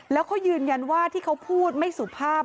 แล้วเขายืนยันว่าที่เขาพูดไม่สุภาพ